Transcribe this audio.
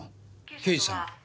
刑事さん。